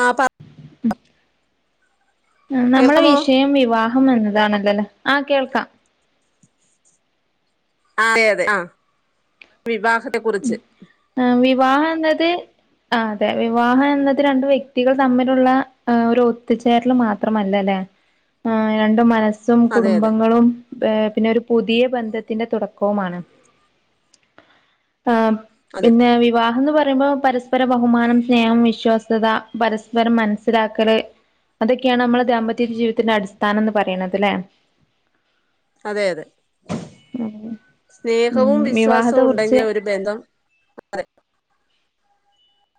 ആ പ നമ്മളെ കേൾക്കാമോ വിഷയം വിവാ എന്നതാണല്ലല്ലേ ആഹ് കേൾക്കാം അതെ അതെ ആ വിവാഹം ത്തെ കുറിച്ച് വിവാഹം എന്നത് ആ അതെ വിവാഹം എന്നത് രണ്ട് വ്യക്തികൾ തമ്മിലുള്ള ഒരു ഒത്തുചേരൽ മാത്രമല്ല അല്ലേ രണ്ട് മനസ്സ് സും അതെ അതെ കുടുംബങ്ങളും ഏർ പിന്നെ ഒരു പുതിയ ബന്ധത്തിന്റെ തുടക്കവുമാണ് ആഹ് അതെ പിന്നെ വിവാഹ അന്ന് പറയുമ്പോ പരസ്പര ബഹുമാനം സ്നേഹം വിശ്വാസ്യത പരസ്പരം മനസ്സിലാക്കല് അതൊക്കെയാണ് നമ്മുടെ ദാമ്പത്യ ജീവിതത്തിന്റെ അടിസ്ഥാനം എന്ന് പറയുന്നത് അല്ലെ അതെ അതെ ഉം സ്നേഹവും വിവാഹത്തെ വിശ്വാസവും കുറിച്ച് ഉണ്ടെങ്കിൽ ഒരു ബന്ധം അതേ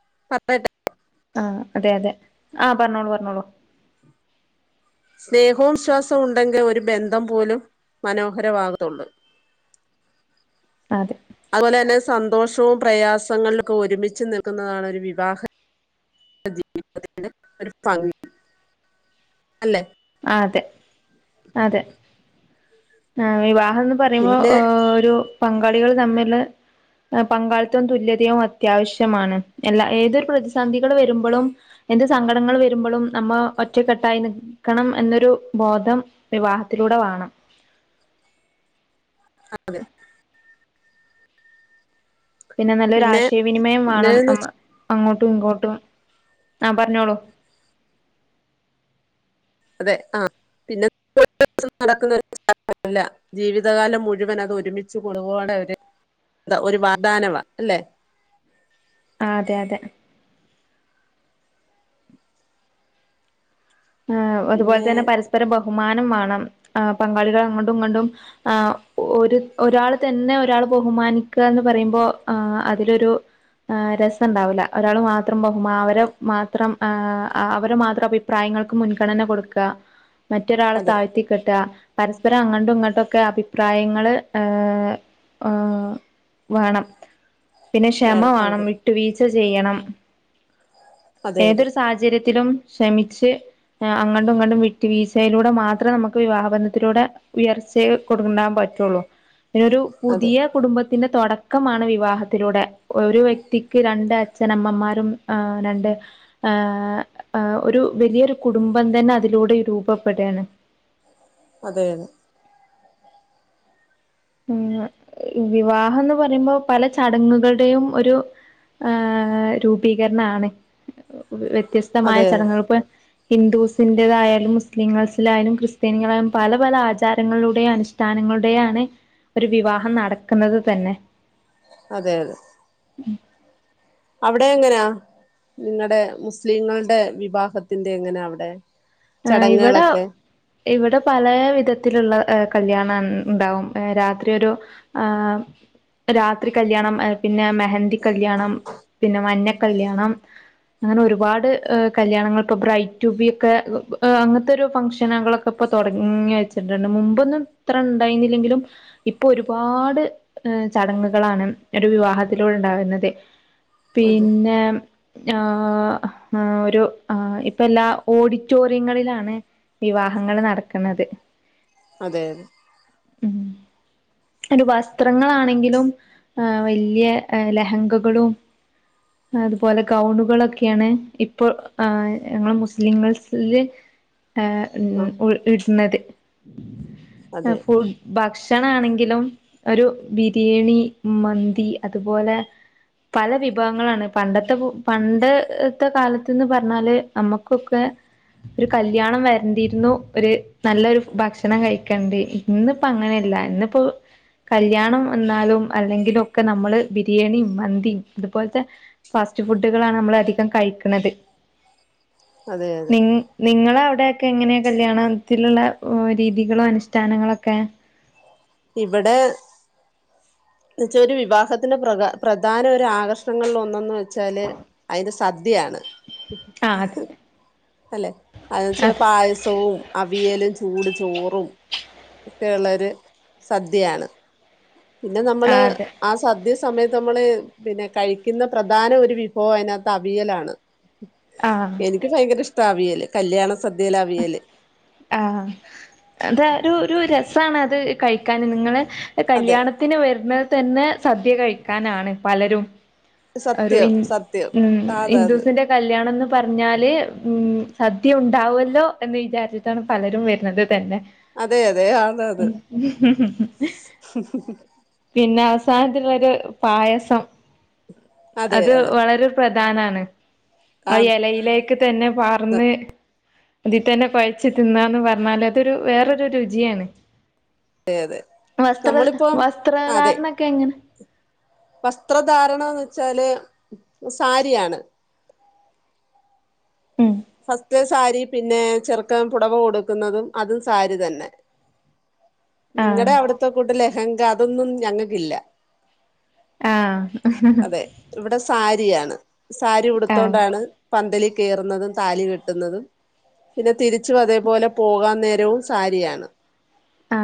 [unintelligible] ആഹ് അതെ അതെ ആഹ് പറഞ്ഞോളൂ പറഞ്ഞോളൂ സ്നേഹവു വിശ്വാസവും ഉണ്ടെങ്കിൽ ഒരു ബന്ധം പോലും മനോഹരമാകത്തുള്ളൂ അതെ അതുപോലെ തന്നെ സന്തോഷവും പ്രയാസങ്ങളിലൊക്കെ ഒരുമിച്ച് നിൽക്കുന്നതാണ് ഒരു വിവാഹ ജീവിത ഒരു ഭംഗി അല്ലെ അ അതെ അതെ ആ വ [unintelligible] അതന്ന് പറയുമ്പോൾ പിന്നെ ഒരു- പങ്കാളികൾ തമ്മില് പങ്കാളിത്തവും തുല്യതയും അത്യാവശ്യമാണ് എല്ലാ ഏതൊരു പ്രതിസന്ധികൾ വരുമ്പോഴും ഏന്ത് സങ്കടങ്ങൾ വരുമ്പോഴും നമ്മ ഒറ്റക്കെട്ടായി നി - ക്കണം എന്നൊരു ബോധം വിവാഹത്തിലൂടെ വേണം അതെ പിന്നെ നല്ലൊരു ആശയവിനിമയം വേണം പിന്നെന്ന് വെച്ച അ- അങ്ങോട്ടും ഇങ്ങോട്ടും ആ പറഞ്ഞോളൂ അതെ ആ പിന്നെ നടക്കുന്ന കാര്യമല്ല ജീവിതകാലം മുഴുവൻ അത് ഒരുമിച്ച് കുടുംബമോടെ ഒരു ഒരു വാ്ദാനവാ അല്ലെ അതെ അതെ ആ അതുപോലെ പിന്നെ തന്നെ പരസ്പര ബഹു - ബഹുമാനം വേണം പങ്കാളികൾ അങ്ങട്ടും ഇങ്ങട്ടും ആ ഒരു ഒരാൾ തന്നെ ഒരാൾ ബഹുമാനിക്കുക എന്ന് പറയുമ്പോൾ അതിലൊരു രസവുണ്ടാവില്ല ഒരാൾ മാത്രം ബഹുമാനം അവരെ മാത്രം അവരെ മാത്രം അഭിപ്രായങ്ങൾ- മുൻഗണന കൊടുക്കുക മറ്റൊരാളെ അതെ താഴ്ത്തിക്കെട്ടുക പരസ്പരം അങ്ങോട്ടും ഇങ്ങോട്ടും ഒക്കെ അഭിപ്രായങ്ങള് ഏ വേണം പിന്നെ ക്ഷമ വേണം വിട്ടുവീഴ - ചച്ച [unintelligible] ചെയ്യണം അതെ അതെ ഏതൊരു സാഹചര്യത്തിലും ക്ഷമിച്ച് അങ്ങ്ടും ഇങ്ങ്ടും വിട്ട വീഴ്ചയിലൂടെ മാത്രമേ നമുക്ക് വിവാഹ ബന്ധത്തിലൂടെ ഉയർച്ച കൊടുണ്ടാൻ പറ്റുള്ളൂ. ഈ ഒരു അതെ പുതിയ കുടുംബത്തിന്റെ തൊടക്കമാണ് വിവാഹത്തിലൂടെ ഒരു വ്യക്തിക്ക് രണ്ട് അച്ഛനമ്മമാരും രണ്ട് ഏഹ് ഒരു വലിയൊരു കുടുംബം തന്നെ അതിലൂടെ രൂപപ്പെടാണ്. അതേ [unintelligible] വിവാഹന്ന് പറയുമ്പോ പല ചടങ്ങുകളുടെയും ഒരു ഏഹ് രൂപീകരണാണ്. വ്യത്യസ്തമായ അതെ ചടങ്ങുകൾ ഇപ്പ ഹിന്ദുസിൻറേതായാലും മുസ്ലിംങ്ങൾസിലായാലും ക്രിസ്ത്യാനികളായാലും പല പല ആചാരങ്ങളുടെയും അനുഷ്ഠാനങ്ങളുടെയാണ് ഒരു വിവാഹം നടക്കുന്നത് തന്നെ അതെ അതെ [unintelligible] അവിടെ എങ്ങനെയാ നിങ്ങളടെ മുസ്ലിങ്ങളുടെ വിഭാഗത്തിന്റെ എങ്ങനാ അവിടെ ആഹ് ഇവിടെ ചടങ്ങുകളൊക്കെ ഇവിടെ പല വിധത്തിലുള്ള കല്യാണം ഉണ്ടാവും രാത്രിൊ ഒരു ആ രാത്രി കല്യാണം പിന്നെ ഹൽതി കല്യാണം പിന്നെ മഞ്ഞ കല്യാണം അങ്ങനെ ഒരുപാട് കല്യാണങ്ങൾ ഇപ്പോൊ ബ്രൈറ്റ് ൂബിയ ഒക്കെ അങ്ങനത്തെ ഒരു ഫംഗഷനകൊക്കെ ഇപ്പൊ തുടങ്ങി വെച്ചിട്ടുണ്ട് മുമ്പൊന്നും ഇത്ര ഉണ്ടായിരുന്നില്ലെങ്കിലും ഇപ്പൊ ഒരുപാട് ഏ ചടങ്ങുകളാണ് ഒരു വിവാഹത്തിലൂടെ ണ്ടാകുന്നത് അതെ പിന്നെ ആ ഒരു ഇപ്പ എല്ലാ ഓ റ്റോറിയങ്ങളിലാണ് വിവാഹങ്ങൾ നടക്കുന്നത് അതെ അതെ ഉം ഒരു വസ്ത്രങ്ങളാണെങ്കിലും ആ വലിയ ലഹങ്കകളും അതുപോലെ ഗൗണുകളൊക്കെയാണ് ഇപ്പൊ ആർ ഞങ്ങൾ മുസ്ലിംങ്ങൾസില് അതെ ആ [unintelligible] [unintelligible] അതെ ഭക്ഷണ ആണെങ്കിലും ഒരു ബിരിയാണി മന്തി അതുപോലെ പല വിഭവങ്ങളാണ് പണ്ടത്തെ പണ്ടത്തെ കാലത്ത്ന്ന് പറഞ്ഞാല് നമുക്കൊക്കെ ഒരു കല്യാണം വരണ്ടിയിരുന്നു ഒരു നല്ലൊ ഒരു ഭക്ഷണം കഴിക്കേണ്ടി ഇന്നിപ്പോ അങ്ങനെയല്ല ഇന്നിപ്പോൊ കല്യാണം വന്നാലും അല്ലെങ്കില ഒക്കെ നമ്മള് ബിരിയാണിയും മന്തിയും അതുപോലത്തെ ഫാസ്റ്റ് ഫുഡുകളാണ് നമ്മൾ അധികം കഴിക്കുണത് അതെ അതെ നി നിങ്ങള അവിടെ എങ്ങനെയ കല്യാണത്തിലുള്ള രീതികളും അനുഷാനങ്ങളൊക്കെ ക്ക ഇവിടെ ന്ന വെച്ച ഒരു വിവാഹത്തിന്റെ പ്ര പ്രധാന ഒരു ആകർഷണങ്ങളിൽ ഒന്ന [unintelligible] [unintelligible] സദ്യയാണ് ആ [inaudible] അല്ലെ [unintelligible] വെച്ചാ അതെ പായസവും അവിയലും ചൂട് ചോറും ഒക്കെയള്ളരു സദ്യയാണ് പിന്നെ നമ്മള് അതെ ആ സദ്യ സമയത്ത് നമ്മള് പിന്നെ കഴിക്കുന്ന പ്രധാന ഒരു വിഭവം അതിനകത്ത് അവിയലാണ് ആഹ് എനിക്ക് ഭയങ്കര ഇഷ്ട [unintelligible] കല്യാണ സദ്യയിലെ അവിയല് ആഹ് അതാ ഒരു ഒരു രസമാണ് അത് കഴിക്കാൻ [unintelligible] അതെ കല്യാണത്തിന് വരുണത് തന്നെ സദ്യ കഴിക്കാനാണ് പലരും ഒരു സത്യം ഇൻ സത്യം ഉം ആണ് അത് ഹിന്ദൂസിന്റെ കല്യാണംന്ന് പറഞ്ഞാല് ഉം സദ്യ ഉണ്ടാവൽ ല്ലോ എന്ന് വിചാരിച്ചിട്ടാണ് പലരും വരുന്നത് തന്നെ. അതെ അതെ ആണ് അത് പിന്നെ അവസാനത്തിള്ളൊരു പായസം അതെ അത് അതെ വളരെ പ്ര ധാനാണ്. ആ അതെ എലയിലേ ക്ക്തന്നെ പാർന്ന് അതി തന്നെ കൊയച്ച് തിന്നാന്ന് പറഞ്ഞാല് അതൊരു വേറൊരു രുചിയാണ് അതെ അതെ വസ്ത്ര നമ്മളിപ്പം അതെ വസ്ത്രധാരണൊക്കെ എങ്ങനെ വസ്ത്രധാരണാന്ന് വെച്ചാല് സാരിയാണ് ഉം ഹസ് തേ സാരി പിന്നെ ചെറുക്കൻ പുടവ കൊടുക്കുന്നതും അതും സാരി തന്നെ. ആഹ് നിങ്ങടെ അവിടുത്തെ കൂട്ട് ലെഹങ്ക അതൊന്നും ഞങ്ങക്കില്ല ആ അതെ ഇവിടെ സാരി രിയാണ് സാരി ആഹ് ആഹ് ഉടുത്തോണ്ടാണ് പന്തലിൽ കേറുന്നതും താലി കെട്ടുന്നതും പിന്നെ തിരിച്ചു അതേപോലെ പോകാൻ നേരവും സാരിയാണ് ആ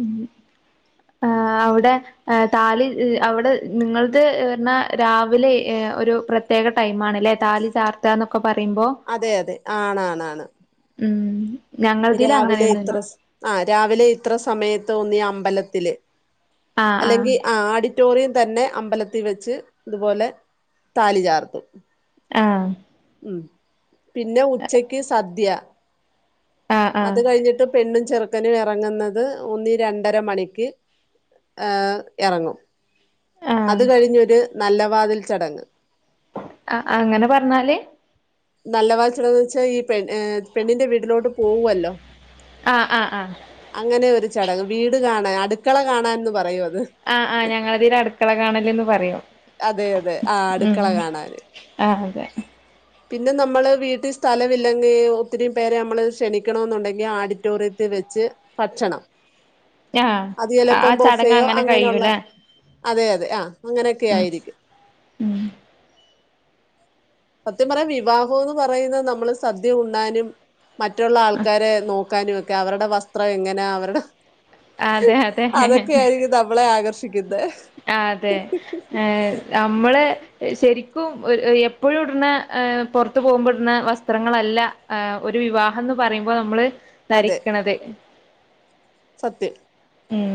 ഉം ആ അവിടെ താലി അവിടെ നിങ്ങൾത് പറഞ്ഞാ രാവിലെ ഒരു പ്രത്യേക ടൈമാണ്ല്ലേ താലി ചാർത്തന്നൊക്കെ അതെ അതെ ആണാണാണ് ഉം ഞങ്ങളതിൽ രാവിലെ ഇത്ര അങ്ങനെയൊന്നുമില്ല സ് ആ രാവിലെ ഇത്ര സ് സമയത്ത് തോന്നിയ അമ്പലത്തില് ആഹ് ആഹ് അല്ലെങ്കിൽ ആ ആടി റ്റോറിയം തന്നെ അമ്പലത്തി വെച്ച് ഇതുപോലെ താലി ചാർത്തും ആഹ് ഉം പിന്നെ ഉച്ചക്ക് സദ്യ ആഹ് അത് ആഹ് കഴിഞ്ഞിട്ട് പെണ്ണും ചെറുക്കനും ഇറങ്ങുന്നത് ഒന്നി രണ്ടര മണിക്ക് ആഹ് ഇറങ്ങും അത് ആഹ് കഴിഞ്ഞു ഒരു നല്ല വാതിൽ ചടങ് ആഹ് ആഹ് അങ്ങനെ പറഞ്ഞാല് നല്ല വാതിലിചടങ്ങ് വച്ചാ ഈ പെ പെണ്ിന്റെ വീട് വീട്ടിലോട്ട് പോവല്ലോ ആഹ് ആഹ് ആഹ് അങ്ങനെ ഒരു ചടങ്ങ് വീട് കാണാൻ അടുക്കള കാണാൻന്ന് പറയോ ആഹ ആഹ് ഞങ്ങളതിൽ അടുക്കള കാണല്ലേന്ന് പറയും അതെ അതെ ആ ഉ അടുക്കള കാണാന് ആ അെ [inaudible] [unintelligible] പിന്നെ നമ്മള് വീട്ടിൽ സ്ഥലമ ഇില്ലെങ്കിൽ ഒത്തിരിയും പേരെ നമ്മള് ക്ഷണിക്കണ എന്നുണ്ടെങ്കിൽ ആഡിറ്റോറിയത്തിൽ വെച്ച് ഭക്ഷണം ആഹ് അത് ആ ചിലപ്പോം ചടങ്ങ് ബൊഫയോ അങ്ങനെ അങ്ങനെയുള്ള കഴിയൂല്ലേ അതെ അതെ ആ അങ്ങനെയൊക്കെ ഉം ആയിരിക്കും ഉം സത്യം പറയാ വിവാഹം എന്ന് പറയുന്നത് നമ്മള് സദ്യ ഉണാനും മറ്റുള്ള ആൾക്കാരെ നോക്കാനും ഒക്കെ അവരുടെ വസ്ത്രം എങ്ങനാ അവരുടെ അതെ [unintelligible] അതൊക്കെയ ആായിരിക്ക നമ്മളെ ആകർഷി ആ അതെ ഏഹ നമ്മള് ശരിക്കും എപ്പോഴും ഇടുന്ന പുറത്ത് പോകുമ്പോൾ ഇടുന്ന വസ്ത്രങ്ങളല്ല ഒരു വിവാഹംന്ന് പറയുമ്പോൾ നമ്മൾ അതെ ധരിക്കണത് സത്യം ഉം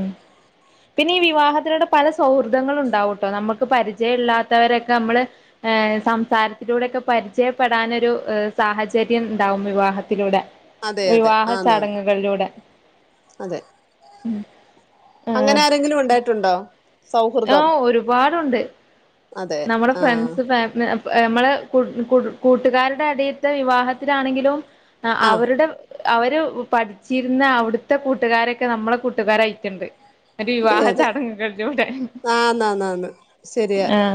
പിന്നെ ഈ വിവാഹത്തിലൂടെ പല സൗഹൃദങ്ങള ഉണ്ടാവട്ടോ നമ്മുക്ക് പരിചയം ഇല്ലാത്തവരൊക്കെ നമ്മള് ർ സംസാരത്തിലൂടെയൊക്കെ പരിചയപ്പെടാനൊ ഒരു സാഹചര്യം ഉണ്ടാവും വിവാഹത്തിലൂടെ അതെ അതെ വിവാഹ ആന്നാന്ന് ചടങ്ങുകളിലൂടെ അതെ ഉം [inaudible] [unintelligible] അങ്ങനെ ആരെങ്കിലും ഉണ്ടായിട്ടുണ്ടോ ആഹ സൗഹൃദം ഒരുപാട് ഉണ്ട് അതെ നമ്മുടെ ആഹ് ഫ്രണ്ട്സ് ഫാമിലി നമ്മള് കൂട്ടുകാരുടെ അടയിത്തെ വിവാഹത്തിലാണെങ്കിലും ആ ആഹ് അവരുടെ അവര് പഠിച്ചിരുന്ന അവിടുത്തെ കൂട്ടുകാരൊക്കെ നമ്മളെ കൂട്ടുകാരയിട്ടുണ്ട് ഒരു അതെ വിവാഹ അതെ ചടങ്ങങ് കഴഞ്ഞോടെ ആന്നാന്നാന്ന് ശരിയാ ആഹ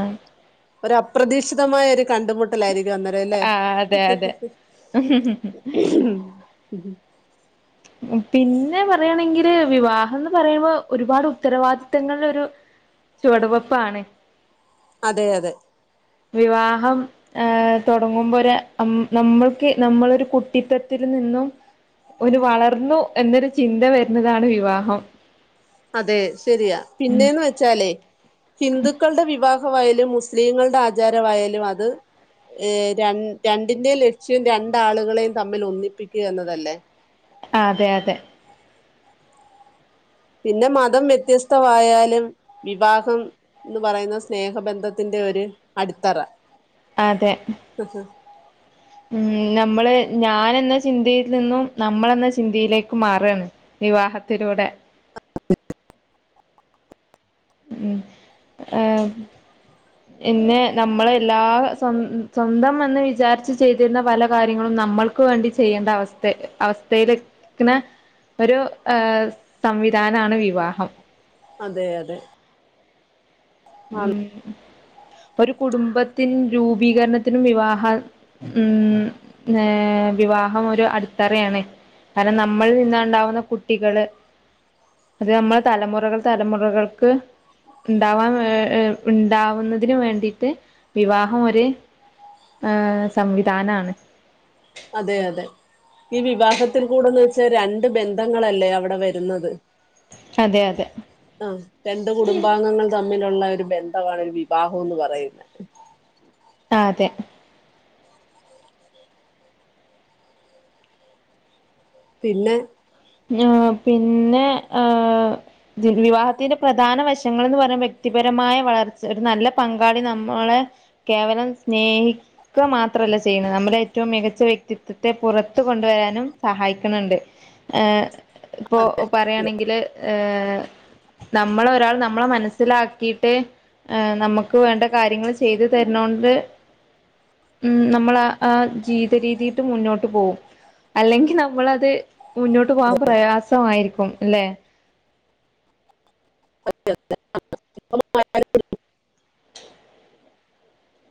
ഒരു അപ്രതീക്ഷിതമായിരിക്ക കണ്ടുമുട്ടലായിരിക്കും അന്നേര അല്ലേ ആ അതെ അതെ ഉ [inaudible] [unintelligible] പിന്നെ പറയണെങ്കില് വിവാഹം എന്ന് പറയുമ്പോ ഒരുപാട് ഉത്തരവാദിത്തങ്ങളിൽൊ ഒരു ചുവടുവപ്പാണ് അതെ അതെ വിവാഹം ഏർ തുടങ്ങുമ്പോ ഒരു നമ്മൾക്ക് നമ്മളൊരു കുട്ടിത്തത്തിൽ നിന്നും ഒരു വളർന്നു എന്നൊരു ചിന്ത വരുന്നതാണ് വിവാഹം അതെ ശരിയാ ഉം പിന്നേന്ന് വെച്ചാലേ ഹിന്ദുക്കളുടെ വിവാഹം രണ്ടായാലും മുസ്ലിങ്ങളുടെ ആചാരമായാലും അത് ഏ ര രണ്ടിന്റെ ലക്ഷ്യം രണ്ടാളുകളെയും തമ്മിൽ ഒന്നിപ്പിക്കുക എന്നതല്ലേ അതെ അതെ പിന്നെ മതം വ്യത്യസ്ത ആമായാലും വിവാഹം എന്ന് പറയുന്ന സ്നേഹബന്ധത്തിന്റെ ഒരു അടിത്തറ അതെ ഉം നമ്മള് ഞാനെന്ന ചിന്തയിൽ നിന്നും നമ്മളെന്ന ചിന്തയിലേക്ക് മാറാണ് വിവാഹത്തിലൂടെ ഉം ഏ പിന്നെ നമ്മള് എല്ലാ സ്വ സ്വന്തം എന്ന് വിചാരിച്ച് ചെയ്തിരുന്ന പല കാര്യങ്ങളും നമ്മൾക്ക് വേണ്ടി ചെയ്യേണ്ട അവസ്ഥ അവസ്ഥയിൽ ക്ക്ണ ഒരു ഏഹ് സംവിധാനാണ് വിവാഹം. അതെ അതെ ആ ഉം ഒരു കുടുംബത്തിൻ രൂപീകരണത്തിനും വിവാഹ ഉം ഏഹ് വിവാഹം ഒരു അടിത്തറയാണ്, കാരണം നമ്മളിൽ നിന്ന് ഇണ്ടാവുന്ന കുട്ടികള് അത് നമ്മൾ തലമൊറകൾ തലമൊറകൾക്ക് ഇണ്ടാവാൻ വ ഏഹ് ഏഹ് ഉണ്ടാവുന്നതിന് വേണ്ടിയിട്ട് വിവാഹം ഒര് ഏഹ് സംവിധാനാണ്. അതെ അതെ ഈ വിവാഹത്തിൽ കൂടെന്ന് വെച്ചാ രണ്ട് ബന്ധങ്ങളല്ലേ അവടെ വരുന്നത് അതെ അതെ ആ രണ്ട് കുടുംബാംഗങ്ങൾ തമ്മിലുള്ള ഒരു ബന്ധവാണ് ഒരു വിവാഹോന്ന് പറയുന്നേ. അതെ പിന്നെ ഞാ പിന്നെ ആ വിവാഹത്തിന്റെ പ്രധാന വശങ്ങളെന്നു പറയുന്നത് വ്യക്തിപരമായ വളർച്ച ഒരു നല്ല പങ്കാളി നമ്മളെ കേവലം സ്നേഹിക്കുക മാത്രല്ല ചെയ്യുന്നത് നമ്മുടെ ഏറ്റവും മികച്ച വ്യക്തിത്വത്തെ പുറത്ത് കൊണ്ടുവരാനും സഹായിക്കണ് ണ്ട് ഏ ഇപ്പൊ പറയാണെങ്കില് ഏ നമ്മൾ ഒരാൾ നമ്മളെ മനസ്സിലാക്കിയിട്ട് നമുക്ക് വേണ്ട കാര്യങ്ങൾ ചെയ്ത് തരുന്നോണ്ട് ഉ നമ്മൾ ആ ജീവിത രീതിട്ട് മുന്നോട്ട് പോവും അല്ലെങ്കി നമ്മളത് മുന്നോട്ട് പോകാൻ പ്രയാസമായിരിക്കും അല്ലെ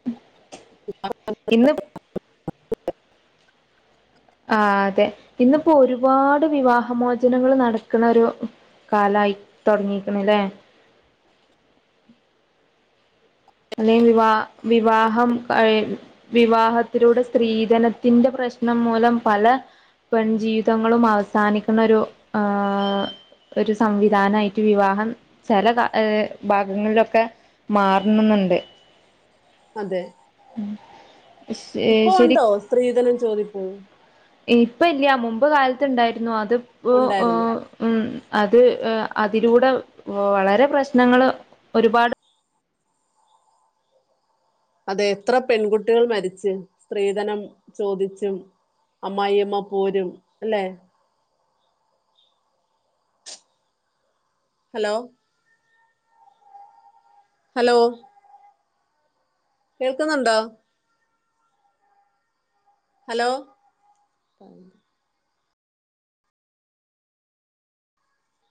ഉം ഇന്ന് ആ അതെ ഇന്നിപ്പോ ഒരുപാട് വിവാഹ മോചനങ്ങൾ നടക്ക്ണൊരു കാലായി തുടങ്ങിയിരിക്കണല്ലേ അല്ലെ വിവാ വിവാഹം വിവാഹത്തിലൂടെ സ്ത്രീധനത്തിന്റെ പ്രശ്നം മൂലം പല പെൺ ജീവിതങ്ങളും അവസാനിക്കുന്ന ഒരു ആ ഒരു സംവിധാനായി വിവാഹം ചില ഭാഗങ്ങളിലൊക്കെ മാർ നുന്നുണ്ട് അതെ ഇപ്പൊ ശരി ഉണ്ടോ സ്ത്രീധനം ചോദിപ്പ് ഇപ്പ ഇല്ല മുമ്പ് കാലത്ത്ണ്ടായിരുന്നു അത് ഒ ഓ ഉണ്ടായിരുന്നു ഉം അത് അതിലൂടെ വളരെ പ്രശ്നങ്ങള് ഒരുപാട് അതെ എത്ര പെൺകുട്ടികൾ മരിച്ച് സ്ത്രീധനം ചോദിച്ചും അമ്മായിയമ്മ പോരും അല്ലെ ഹലോ ഹലോ കേൾക്കുന്നുണ്ടോ ഹലോ